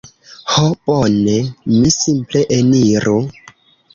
Ho bone... mi simple eniru...